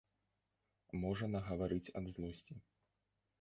Можа нагаварыць ад злосці.